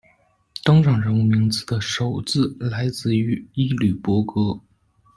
登场人物名字的首字来自于伊吕波歌。